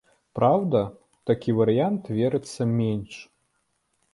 Праўда, у такі варыянт верыцца менш.